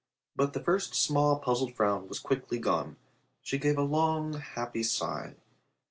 But the first small puzzled frown was quickly gone. She gave a long happy sigh.